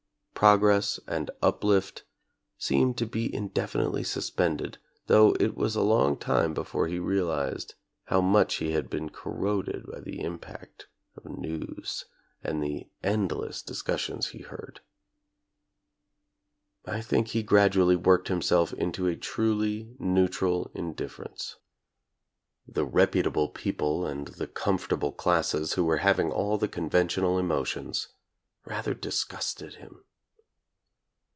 Progress and uplift seemed to be in definitely suspended, though it was a long time before he realized how much he had been corroded by the impact of news and the endless discussions he heard. I think he gradually worked himself into a truly neutral indifference. The reputable people and the comfortable classes who were hav ing all the conventional emotions rather disgusted him.